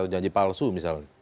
atau janji palsu misalnya